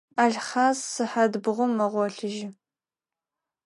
Алхъас сыхьат бгъум мэгъолъыжьы.